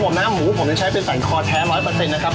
เพราะผมนะหมูผมจะใช้เป็นสันคอแท้๑๐๐นะครับ